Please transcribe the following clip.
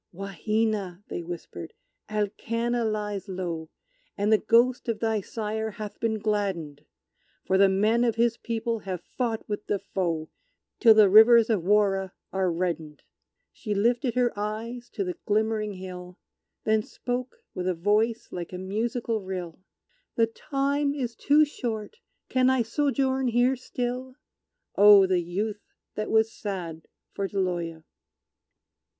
"Wahina," they whispered, "Alkanna lies low, And the ghost of thy sire hath been gladdened, For the men of his people have fought with the foe Till the rivers of Warra are reddened!" She lifted her eyes to the glimmering hill, Then spoke, with a voice like a musical rill, "The time is too short; can I sojourn here still?" Oh, the Youth that was sad for Deloya!